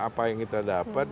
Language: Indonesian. apa yang kita dapat